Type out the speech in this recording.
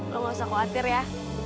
gak usah khawatir ya